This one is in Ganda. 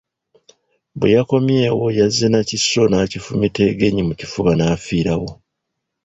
Bwe yakomyewo yazze na kiso n'akifumita Engenyi mu kifuba n'afiirawo.